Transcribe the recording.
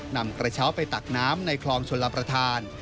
นำกระเช้าไปตักน้ำในคลองชลประธาน